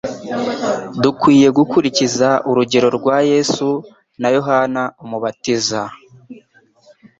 dukwiye gukurikiza urugero rwa Yesu na Yohana Umubatiza.